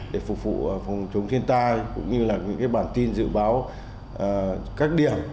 để phục vụ phòng chống thiên tai cũng như là những bản tin dự báo các điểm